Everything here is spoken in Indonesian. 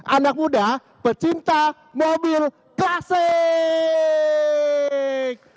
anak muda pecinta mobil klasik